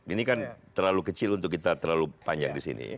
ini kan terlalu kecil untuk kita terlalu panjang di sini